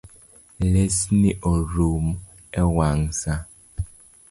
Lesni orum ewang’ sa